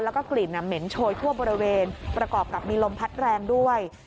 แล้วก็กลิ่นเหม็นโชยทั่วบริเวณประกอบกับมีลมพัดแรงด้วย